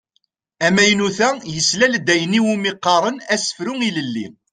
Amaynut-a yeslal-d ayen i wumi qqaren asefru ilelli.